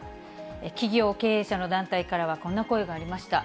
企業経営者の団体からは、こんな声がありました。